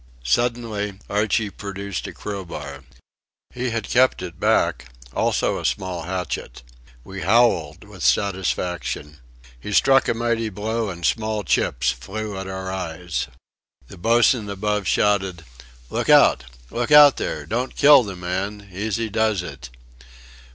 Suddenly Archie produced a crowbar. He had kept it back; also a small hatchet. We howled with satisfaction. He struck a mighty blow and small chips flew at our eyes. The boatswain above shouted: "Look out! Look out there. Don't kill the man. Easy does it!"